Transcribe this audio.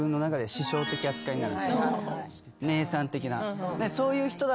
姉さん的な。